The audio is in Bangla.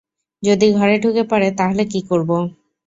যদি ঘরে ঢুকে পড়ে তাহলে কি করবো?